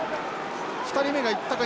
２人目がいったか？